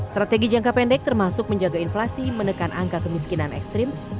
strategi jangka pendek termasuk menjaga inflasi menekan angka kemiskinan ekstrim